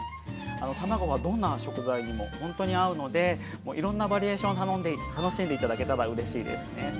卵はどんな食材にもほんとに合うのでもういろんなバリエーション楽しんで頂けたらうれしいですね。